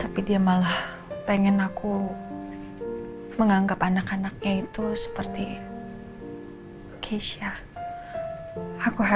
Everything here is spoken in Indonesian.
udah diangkat ya